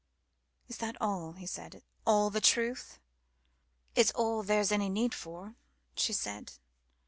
"Is that all," he said, "all the truth?" "It's all there's any need for," she said.